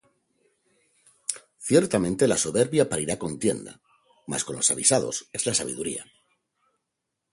Ciertamente la soberbia parirá contienda: Mas con los avisados es la sabiduría.